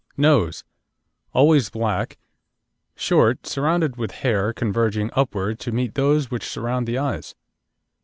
NOSE Always black, short, surrounded with hair converging upward to meet those which surround the eyes.